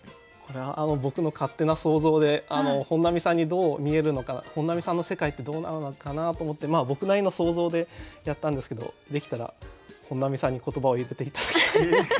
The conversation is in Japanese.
これは僕の勝手な想像で本並さんにどう見えるのか本並さんの世界ってどうなのかなと思ってまあ僕なりの想像でやったんですけどできたら本並さんに言葉を入れて頂きたい。